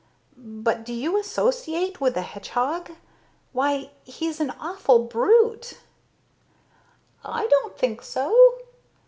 But do you associate with the hedgehog? Why, he's an awful brute." "I don't think so.